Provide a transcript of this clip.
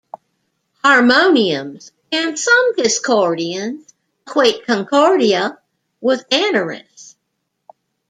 Harmonians and some Discordians equate Concordia with Aneris.